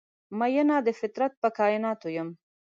میینه د فطرت په کائیناتو یم